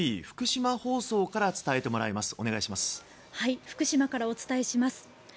福島からお伝えします。